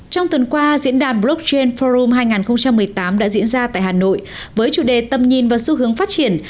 trong tuần qua diễn đàn blockchain forum hai nghìn một mươi tám đã diễn ra tại hà nội với chủ đề tầm nhìn và xu hướng phát triển